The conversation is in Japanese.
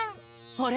あれ？